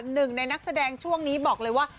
หนึ่งในนักแสดงช่วงนี้บอกเลยว่า